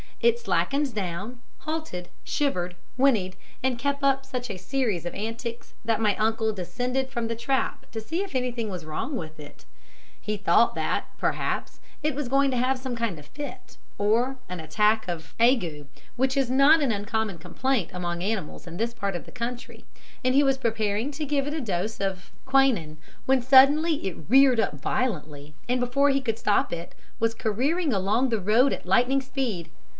It slackened down, halted, shivered, whinnied, and kept up such a series of antics, that my uncle descended from the trap to see if anything was wrong with it. He thought that, perhaps, it was going to have some kind of fit, or an attack of ague, which is not an uncommon complaint among animals in his part of the country, and he was preparing to give it a dose of quinine, when suddenly it reared up violently, and before he could stop it, was careering along the road at lightning speed.